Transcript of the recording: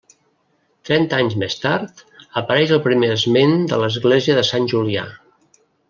Trenta anys més tard apareix el primer esment de l'església de Sant Julià.